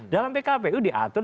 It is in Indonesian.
dalam pkpu diatur